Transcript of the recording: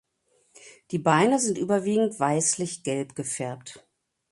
Die Beine sind überwiegend weißlich gelb gefärbt.